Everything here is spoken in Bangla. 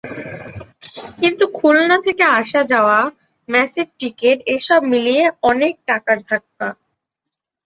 কিন্তু খুলনা থেকে আসা-যাওয়া, ম্যাচের টিকিট এসব মিলিয়ে অনেক টাকার ধাক্কা।